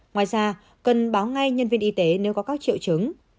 ngoài ra cần báo ngay nhân viên y tế nếu có các triệu chứng